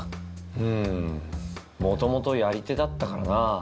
うん元々やり手だったからな。